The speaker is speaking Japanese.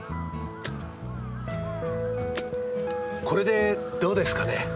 これでどうですかね？